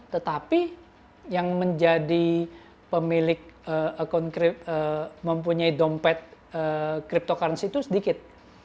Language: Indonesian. tetapi yang menjadi pemilik akun mempunyai dompet cryptocurrency itu sedikit